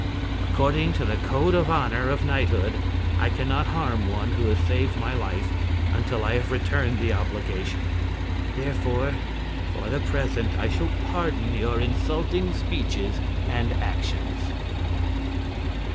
According to the code of honor of knighthood I can not harm one who has saved my life until I have returned the obligation. Therefore, for the present I shall pardon your insulting speeches and actions."